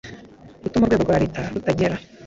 Gutuma urwego rwa leta rutagera